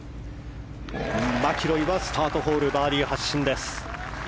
マキロイはスタートホールバーディー発進。